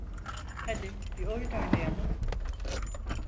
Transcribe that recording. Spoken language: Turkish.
Hadi bir oyun oynayalım.